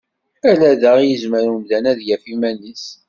Ala da i yezmer umdan ad yef iman-is.